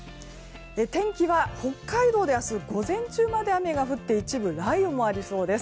天気は北海道で明日、午前中まで雨が降って一部雷雨もありそうです。